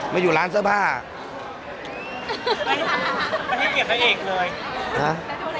มาอยู่ร้านเสื้อผ้าไม่ไม่ให้เกียรติธรรมเอกเลยฮะอ่า